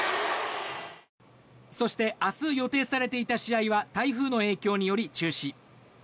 そして明日予定されていた試合は台風の影響により中止。